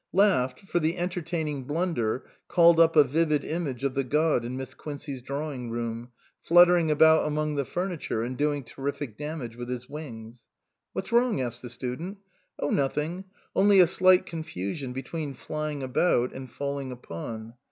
Laughed, for the entertaining blunder called up a vivid image of the god in Miss Quincey's drawing room, fluttering about among the furniture and doing terrific damage with his wings. " What's wrong ?" asked the student. " Oh nothing ; only a slight confusion be tween flying about and falling upon.